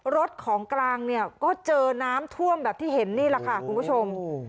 รถของกลางเนี่ยก็เจอน้ำท่วมแบบที่เห็นนี่แหละค่ะคุณผู้ชม